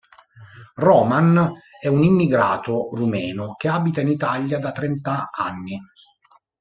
Roman è un immigrato rumeno che abita in Italia da trenta anni.